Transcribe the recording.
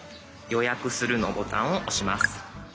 「予約する」のボタンを押します。